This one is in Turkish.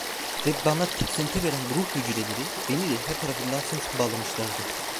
Ve bana tiksinti veren bu ruh cüceleri beni de her tarafımdan sımsıkı bağlamışlardı.